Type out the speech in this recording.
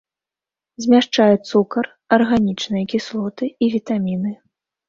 Змяшчае цукар, арганічныя кіслоты і вітаміны.